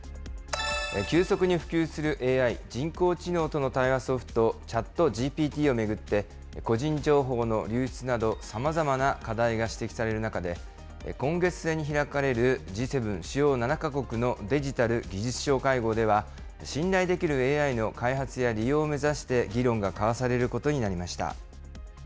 急速に普及するＡＩ・人工知能との対話ソフト、チャットＧＰＴを巡って、個人情報の流出などさまざまな課題が指摘される中で、今月末に開かれる、Ｇ７・主要７か国のデジタル・技術相会合では、信頼できるＡＩの開発や利用を目指して、議論が交わされることになりました。